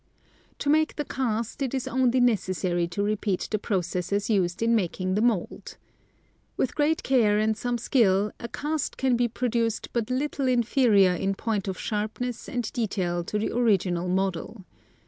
To make the cast it is only necessary to repeat the processes used in making the mould. With great care and some skill a cast can be produced but little inferior in point of sharpness and detail to the original model.